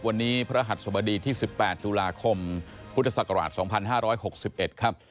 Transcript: วันนี้พระหัสสบดีที่๑๘ตุลาคมพุทธศักราช๒๕๖๑ครับ